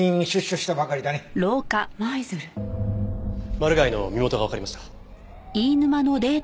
マルガイの身元がわかりました。